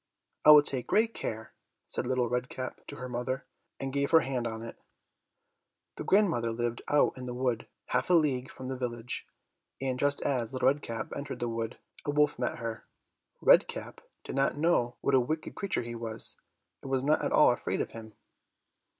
"I will take great care," said Little Red Cap to her mother, and gave her hand on it. The grandmother lived out in the wood, half a league from the village, and just as Little Red Cap entered the wood, a wolf met her. Red Cap did not know what a wicked creature he was, and was not at all afraid of him.